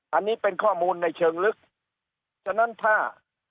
อันนี้เป็นข้อมูลในเชิงลึกฉะนั้นถ้า